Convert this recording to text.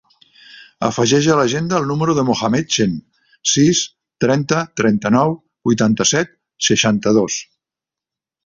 Afegeix a l'agenda el número del Mohammed Chen: sis, trenta, trenta-nou, vuitanta-set, seixanta-dos.